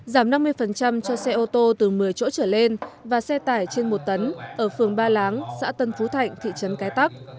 giảm năm mươi cho xe ô tô từ một mươi chỗ trở lên và xe tải trên một tấn ở phường ba láng xã tân phú thạnh thị trấn cái tắc